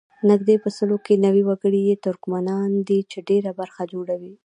نږدې په سلو کې نوي وګړي یې ترکمنان دي چې ډېره برخه جوړوي.